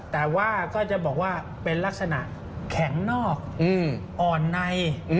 แต่ว่าก็จะบอกว่าเป็นลักษณะแข็งนอกอ่อนใน